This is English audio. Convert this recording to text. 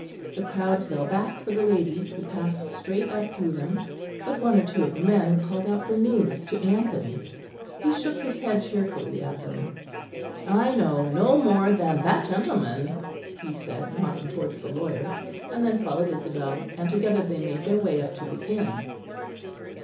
The crowd fell back for the lady, who passed straight up through them; but one or two of the men called out for news to Anthony. He shook his head cheerfully at them. "I know no more than that gentleman," he said, nodding towards the lawyer; and then followed Isabel; and together they made their way up to the inn.